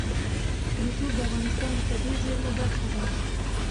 رسوب د افغانستان د طبیعي زیرمو برخه ده.